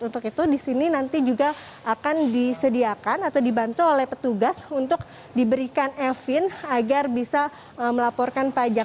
untuk itu di sini nanti juga akan disediakan atau dibantu oleh petugas untuk diberikan efin agar bisa melaporkan pajak